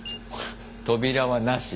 扉はなし？